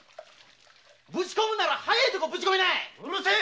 ぶち込むんなら早いとこぶち込みな‼うるせえ！